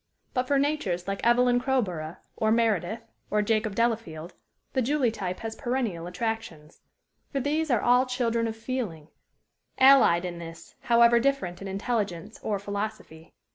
But for natures like Evelyn Crowborough or Meredith or Jacob Delafield the Julie type has perennial attractions. For these are all children of feeling, allied in this, however different in intelligence or philosophy.